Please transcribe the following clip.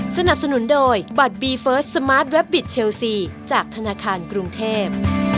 สนับสนุนโดยบัตรบีเฟิร์สสมาร์ทแวบบิตเชลซีจากธนาคารกรุงเทพ